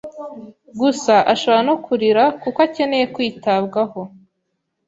Gusa ashobora no kurira kuko akeneye kwitabwaho